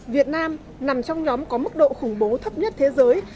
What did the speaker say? việt nam nằm trong nhóm có mức độ khủng bố thấp nhất thế giới